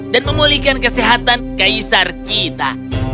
dan memulihkan kesehatan kaisar kita